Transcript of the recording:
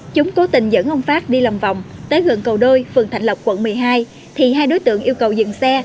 chúng cố tình dẫn ông phát đi lòng vòng tới gần cầu đôi phường thạnh lộc quận một mươi hai thì hai đối tượng yêu cầu dừng xe